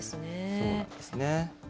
そうなんですね。